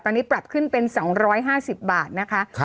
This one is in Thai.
ตอนนี้ปรับขึ้นเป็น๒๕๐บาทนะคะ